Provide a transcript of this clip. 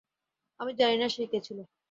আমি জানিনা সে কে ছিল।